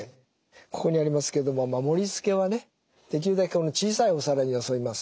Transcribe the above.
ここにありますけども盛り付けはねできるだけ小さいお皿によそいます。